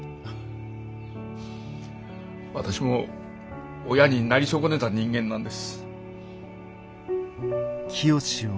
私も親になり損ねた人間なんです。